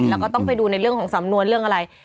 แล้วก็ต้องไปดูในเรื่องของสำนวนเรื่องอะไร